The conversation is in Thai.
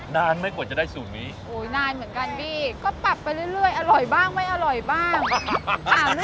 นานไหมกว่าจะได้สูตรนี้โอ้ยนานเหมือนกันพี่ก็ปรับไปเรื่อยอร่อยบ้างไม่อร่อยบ้าง